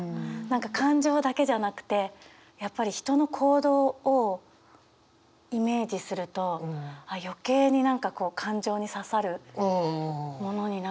何か感情だけじゃなくてやっぱり人の行動をイメージすると余計に何か感情に刺さるものになるんだなって。